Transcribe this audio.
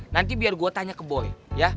nanti biar gue tanya ke boy